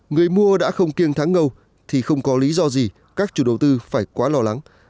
người mua đã không kiêng thắng ngâu thì không có lý do gì các chủ đầu tư phải quá lo lắng